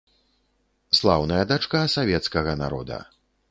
Слаўная дачка савецкага народа!